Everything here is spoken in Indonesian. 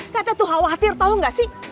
teteh tuh khawatir tahu nggak sih